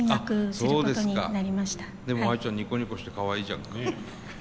でもアイちゃんニコニコしてかわいいじゃん。